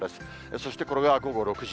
そしてこれが午後６時。